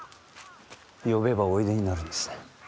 呼べばおいでになるんですね。